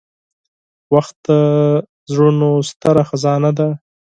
• وخت د زړونو ستره خزانه ده.